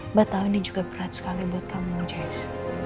mbak tau ini juga berat sekali buat kamu jess